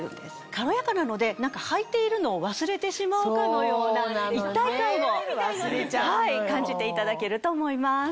軽やかなのではいているのを忘れてしまうかのような一体感も感じていただけると思います。